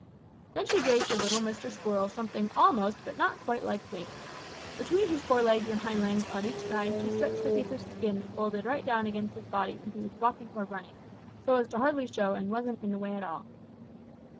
"Then she gave to little Mr. Squirrel something almost but not quite like wings. Between his fore legs and hind legs on each side she stretched a piece of skin that folded right down against his body when he was walking or running so as to hardly show and wasn't in the way at all.